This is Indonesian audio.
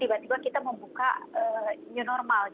tiba tiba kita membuka new normal